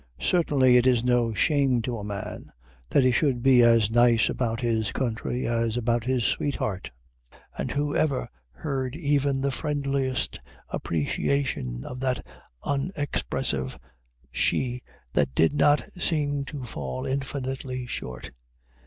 Certainly it is no shame to a man that he should be as nice about his country as about his sweetheart, and who ever heard even the friendliest appreciation of that unexpressive she that did not seem to fall infinitely short?